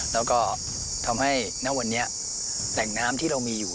แล้วก็ทำให้ณวันนี้แหล่งน้ำที่เรามีอยู่